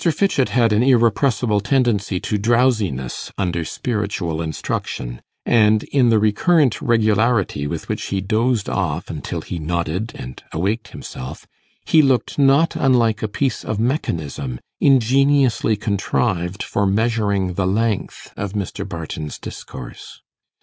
Fitchett had an irrepressible tendency to drowsiness under spiritual instruction, and in the recurrent regularity with which he dozed off until he nodded and awaked himself, he looked not unlike a piece of mechanism, ingeniously contrived for measuring the length of Mr. Barton's discourse.